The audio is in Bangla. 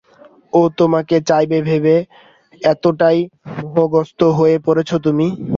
ও তোমাকে চাইবে ভেবে এতোটাই মোহগ্রস্ত হয়ে পড়েছো তুমি?